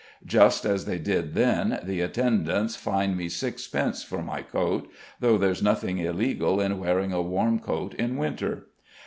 Just as they did then, the attendants fine me sixpence for my coat, though there's nothing illegal in wearing a warm coat in winter.